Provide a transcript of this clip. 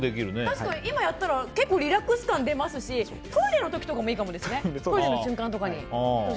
確かに今やったら結構リラックス感出ますしトイレの時とかもいいかもですね。